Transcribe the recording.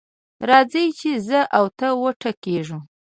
راځه چې زه او ته وټکېږو.